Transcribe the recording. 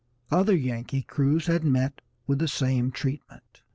Other Yankee crews had met with the same treatment.